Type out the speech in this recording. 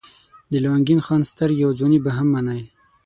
د لونګین خان سترګې او ځواني به هم منئ.